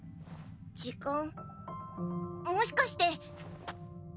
時間もしかして。